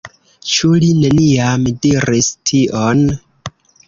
Ĉu li neniam diris tion?